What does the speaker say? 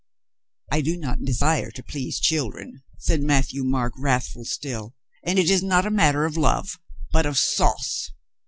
"I do not desire to please children," said Mat thieu Marc, wrathful still. "And it is not a matter of love, but of sauce."